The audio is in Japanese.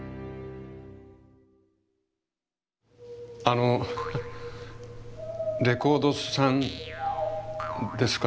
あのレコードさんですか？